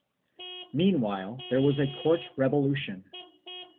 1 Meanwhile there was a court revolution.